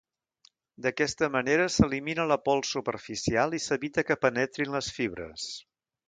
D'aquesta manera s'elimina la pols superficial i s'evita que penetri en les fibres.